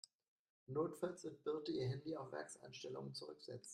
Notfalls wird Birte ihr Handy auf Werkseinstellungen zurücksetzen.